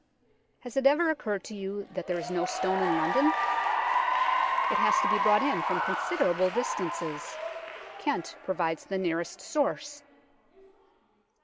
Has it ever occurred to you that there is no stone in London ? It has to be brought in from considerable distances Kent provides the nearest source.